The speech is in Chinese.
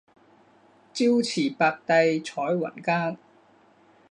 朝辞白帝彩云间